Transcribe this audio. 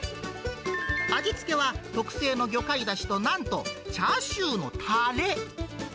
味付けは、特製の魚介だしとなんとチャーシューのたれ。